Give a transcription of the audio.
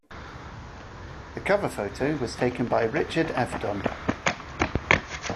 The cover photo was taken by Richard Avedon.